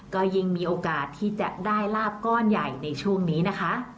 ก็ยิ่งมีโอกาสที่จะได้ลาบก้อนใหญ่ในช่วงนี้นะคะ